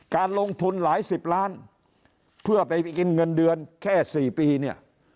การลงทุนหลายสิบล้านเพื่อไปกินเงินเดือนแค่๔ปีเนี่ย